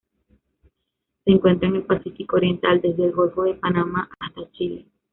Se encuentra en el Pacífico oriental: desde el Golfo de Panamá hasta Chile.